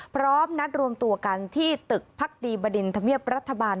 พร้อมนัดรวมตัวกันที่ตึกพักดีบดินธรรมเนียบรัฐบาล